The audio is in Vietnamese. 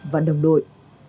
và đồng đội